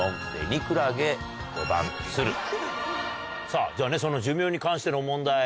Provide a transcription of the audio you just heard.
さぁじゃあ寿命に関しての問題。